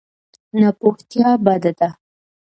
ناپوهتیا بده ده.